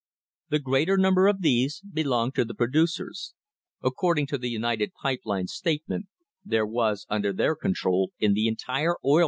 The greater number of these belonged to the producers. According to the United Pipe Lines' statement, there was under their con * Oil City Derrick, January 5, 1878.